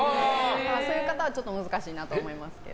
そういう方は難しいなと思いますけど。